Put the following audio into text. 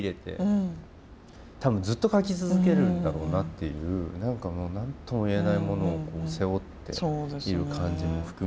多分ずっと描き続けるんだろうなっていう何とも言えないものを背負っている感じも含めて